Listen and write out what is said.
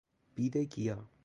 بید گیا